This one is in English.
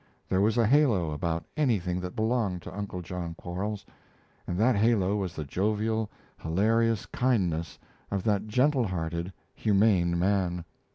There was a halo about anything that belonged to Uncle John Quarles, and that halo was the jovial, hilarious kindness of that gentle hearted, humane man.